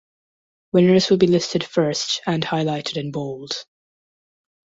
Winners will be listed first and highlighted in bold.